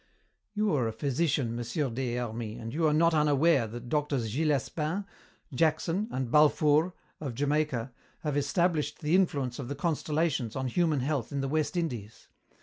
"You are a physician, Monsieur Des Hermies, and you are not unaware that the doctors Gillespin, Jackson, and Balfour, of Jamaica, have established the influence of the constellations on human health in the West Indies.